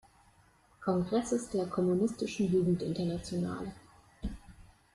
Kongresses der Kommunistischen Jugendinternationale.